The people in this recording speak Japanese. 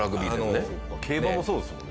競馬もそうですもんね。